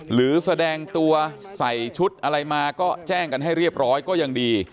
หรือแสดงตัวใส่ชุดอะไรมาก็แจ้งกันให้เรียบร้อยก็ยังดี